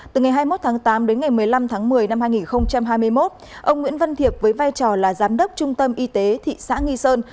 từ ngày hai mươi một tháng tám đến ngày một mươi năm tháng một mươi năm hai nghìn hai mươi một ông nguyễn văn thiệp với vai trò là giám đốc trung tâm y tế thị xã nghi sơn